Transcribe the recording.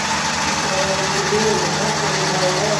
Метало-ло-лом түгел, газовый баллон.